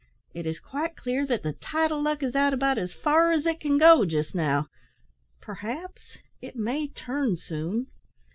It is quite clear that the tide of luck is out about as far as it can go just now; perhaps it may turn soon."